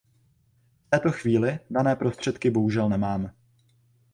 V této chvíli dané prostředky bohužel nemáme.